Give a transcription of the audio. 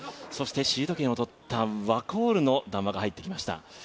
シード権を取ったワコールの談話が入ってきました。